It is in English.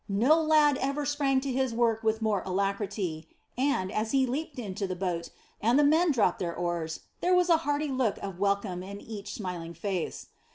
No lad ever sprang to his work with more alacrity, and, as he leaped into the boat, and the men dropped their oars, there was a hearty look of welcome in each smiling face.